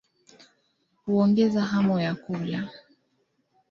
Huongeza hamu ya kula.